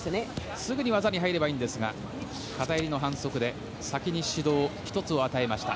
すぐに技に入ればいいんですが片襟の反則で先に指導１つを与えました。